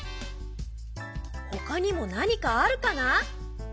ほかにも何かあるかな？